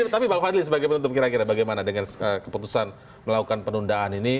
tapi pak fadli sebagai penutup kira kira bagaimana dengan keputusan melakukan penundaan ini